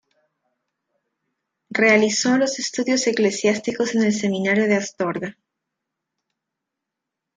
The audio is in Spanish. Realizó los estudios eclesiásticos en el seminario de Astorga.